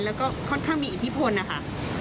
แล้วก็ค่อนข้างมีอิทธิพลนะคะ